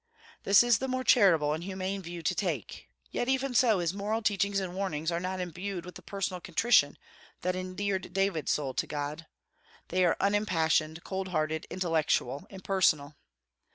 This is the more charitable and humane view to take; yet even so, his moral teachings and warnings are not imbued with the personal contrition that endeared David's soul to God; they are unimpassioned, cold hearted, intellectual, impersonal.